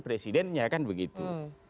presidennya kan begitu